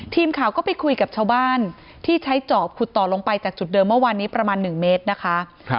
ทีมข่าวก็ไปคุยกับชาวบ้านที่ใช้จอบขุดต่อลงไปจากจุดเดิมเมื่อวานนี้ประมาณ๑เมตรนะคะ